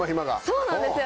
そうなんですよ！